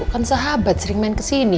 kan sahabat sering main kesini